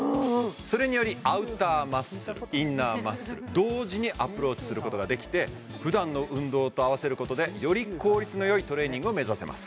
それによりアウターマッスルインナーマッスル同時にアプローチすることができて普段の運動と合わせることでより効率のよいトレーニングを目指せます